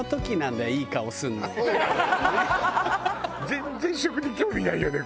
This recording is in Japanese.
全然食に興味ないよね